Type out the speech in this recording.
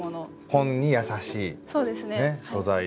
本に優しい素材で。